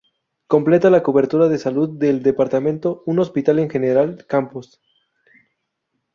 Completa la cobertura de salud del departamento un Hospital en General Campos.